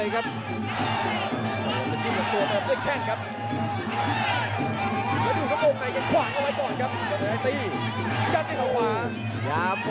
กระโดยสิ้งเล็กนี่ออกกันขาสันเหมือนกันครับ